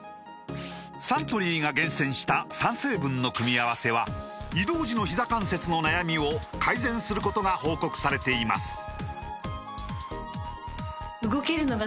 サントリーが厳選した３成分の組み合わせは移動時のひざ関節の悩みを改善することが報告されています